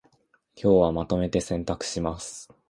今日はまとめて洗濯します